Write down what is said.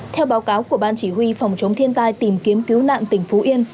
theo báo cáo của ban chỉ huy phòng chống thiên tai tìm kiếm cứu nạn tỉnh phú yên